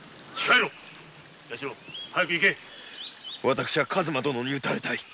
私は数馬殿に討たれたい。